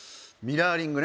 ミラーリング